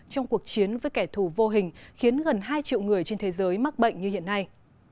trong cuộc chiến với kẻ thù vô hình khiến gần hai triệu người trên thế giới mắc bệnh như hiện nay